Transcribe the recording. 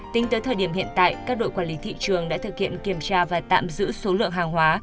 tính tới thời điểm hiện tại các đội quản lý thị trường đã thực hiện kiểm tra và tạm giữ số lượng hàng hóa